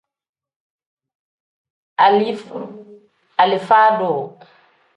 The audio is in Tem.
Alifa-duu.